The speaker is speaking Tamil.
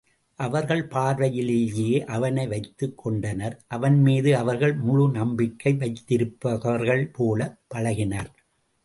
அவர்கள் பார்வையிலேயே அவனை வைத்துக் கொண்டனர் அவன் மீது அவர்கள் முழு நம்பிக்கை வைத்திருப்பவர்கள் போலப் பழகினர்.